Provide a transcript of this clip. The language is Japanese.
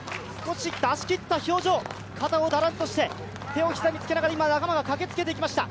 出し切った表情、肩をだらっとして手を膝について今、仲間が駆けつけてきました。